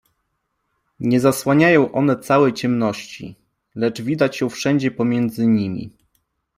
Nie zasłaniają one całej ciemności, lecz widać ją wszędzie pomiędzy nimi.